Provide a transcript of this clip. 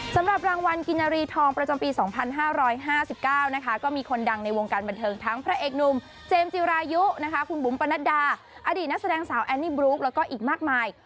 สำหรับรางวัลกินนารีทองประจำปี๒๕๕๙นะคะก็มีคนดังในวงการบันเทิงทั้งพระเอกหนุ่มเจมส์จิรายุนะคะคุณบุ๋มปนัดดาอดีตนักแสดงสาวแอนนี่บลูคแล้วก็อีกมากมาย